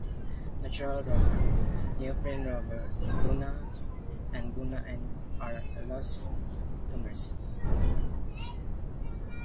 Natural rubber, neoprene rubber, buna-s and buna-n are elastomers.